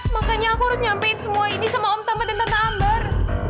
makanya aku harus nyampein semua ini sama om tama dan tante ambar